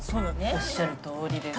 おっしゃるとおりです。